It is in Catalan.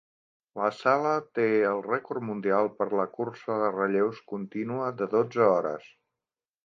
La sala té el record mundial per la cursa de relleus continua de dotze hores.